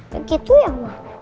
ya gitu ya emang